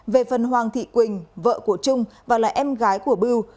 về phần hoàng thị quỳnh vợ của trung và là em gái của bưu